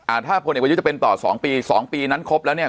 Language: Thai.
ถ้าพลเอกประยุทธ์จะเป็นต่อสองปีสองปีนั้นครบแล้วเนี่ย